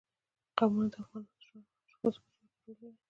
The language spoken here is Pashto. قومونه د افغان ښځو په ژوند کې رول لري.